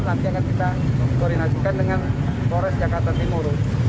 nanti akan kita koordinasikan dengan polres jakarta timur